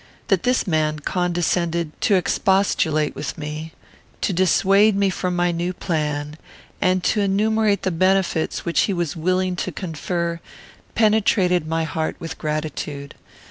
That this man condescended to expostulate with me; to dissuade me from my new plan; and to enumerate the benefits which he was willing to confer, penetrated my heart with gratitude.